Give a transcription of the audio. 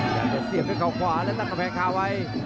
อยากเสี่ยงข้างควาแล้วลากคำแพงค่าไว้